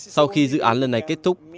sau khi dự án lần này kết thúc